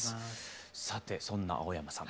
さてそんな青山さん